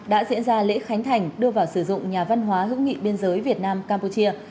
đã diễn ra lễ khánh thành đưa vào sử dụng nhà văn hóa hữu nghị biên giới việt nam campuchia